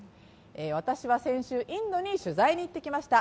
私は先週、インドに取材に行ってきました。